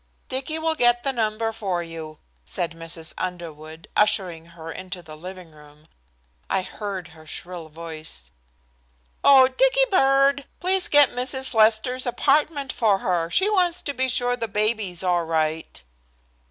"Dicky will get the number for you," said Mrs. Underwood, ushering her into the living room. I heard her shrill voice. "Oh, Dicky bird, please get Mrs. Lester's apartment for her. She wants to be sure the baby's all right."